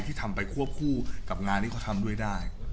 ที่ทำไปควบคู่กับงานที่เขาทำด้วยได้